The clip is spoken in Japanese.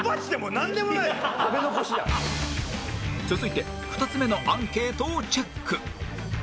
続いて２つ目のアンケートをチェック